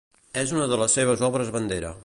És una de les seves obres bandera.